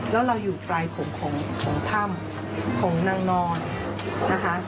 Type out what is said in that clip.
แล้วเราอยู่ปลายของถ้ำของนางนอนนะคะ